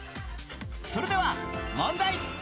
それでは問題